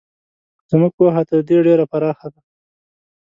زموږ پوهه تر دې ډېره پراخه ده.